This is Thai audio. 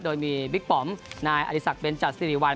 โดยมีบิ๊กปอมนายอริสักเบนจัดสิริวัล